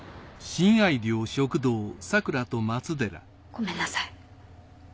ごめんなさい。